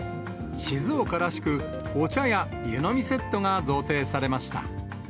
静岡らしく、お茶や湯飲みセットが贈呈されました。